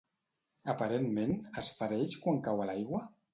Aparentment, es fereix quan cau a l'aigua?